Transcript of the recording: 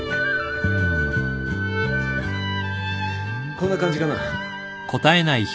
こんな感じかな？